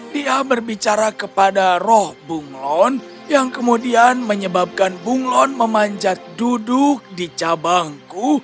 dia berbicara kepada roh bunglon yang kemudian menyebabkan bunglon memanjat duduk di cabangku